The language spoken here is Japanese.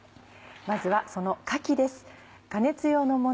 まずはそのかきです。